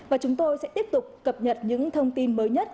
và chúng tôi sẽ tiếp tục cập nhật những thông tin mới nhất